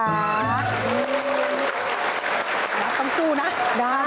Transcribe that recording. เราต้องเจาะนะคราวนี้นะ